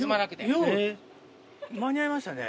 よう間に合いましたね。